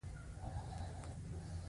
کوربه که مهربانه وي، ټول به يې ستایي.